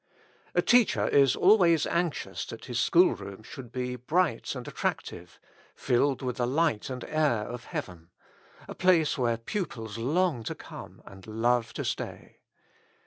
A teacher is always anxious that his schoolroom should be bright and attractive, filled with the light and air of heaven ; a place where pupils long to come, and love to stay.